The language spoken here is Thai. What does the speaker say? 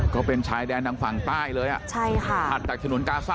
ก็เป็นชายแดนทางฝั่งใต้เลย